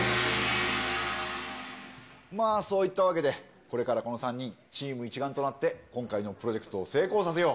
まあ、そういったわけで、これからこの３人、チーム一丸となって、今回のプロジェクトを成はい。